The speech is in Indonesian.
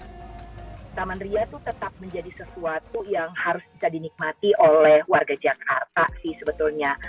taman ria itu tetap menjadi sesuatu yang harus bisa dinikmati oleh warga jakarta sih sebetulnya